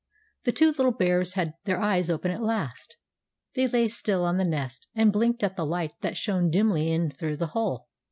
The two little bears had their eyes open at last. They lay still on the nest and blinked at the light that shone dimly in through the hole.